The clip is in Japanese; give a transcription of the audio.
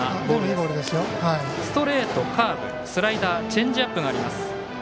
ストレート、カーブスライダー、チェンジアップがあります。